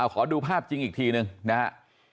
ขอดูภาพจริงอีกทีหนึ่งนะฮะ